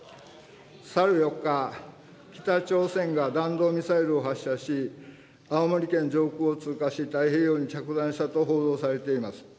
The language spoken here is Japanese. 去る４日、北朝鮮が弾道ミサイルを発射し、青森県上空を通過し、太平洋に着弾したと報道されています。